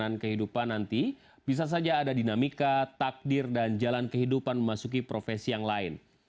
dengan kehidupan nanti bisa saja ada dinamika takdir dan jalan kehidupan memasuki profesi yang lain